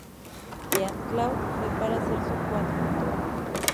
Jean Claude fue para ser su coadjutor.